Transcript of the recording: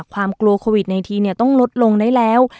ความกลัวโควิดในทีเนี่ยต้องลดลงได้แล้ว